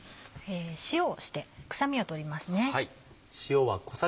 塩をして臭みを取りますね。